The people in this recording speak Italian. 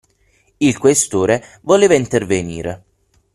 Il Questore voleva intervenire.